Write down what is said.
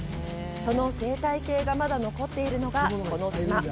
その生態系がまだ残っているのが、この島。